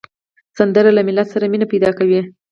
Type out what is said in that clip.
سندره له ملت سره مینه پیدا کوي